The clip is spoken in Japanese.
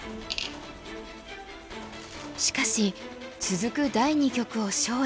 しかし続く第二局を勝利。